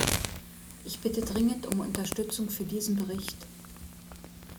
Ich bitte dringend um Unterstützung für diesen Bericht.